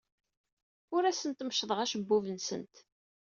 Ur asent-meccḍeɣ acebbub-nsent.